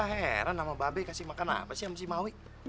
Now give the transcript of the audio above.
wah heran sama mbak be kasih makan apa sih sama si mawi